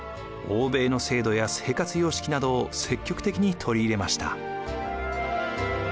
欧米の制度や生活様式などを積極的に取り入れました。